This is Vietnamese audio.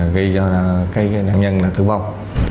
gây cho nạn nhân tử vong